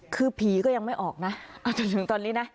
คือผีก็ยังไม่ออกนะเอาจนถึงตอนนี้นะ